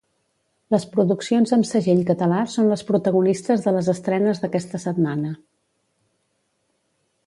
Les produccions amb segell català són les protagonistes de les estrenes d’aquesta setmana.